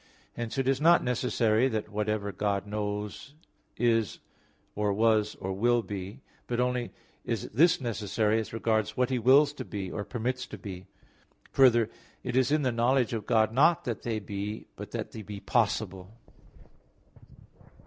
Hence it is not necessary that what ever God knows, is, or was, or will be; but only is this necessary as regards what He wills to be, or permits to be. Further, it is in the knowledge of God not that they be, but that they be possible.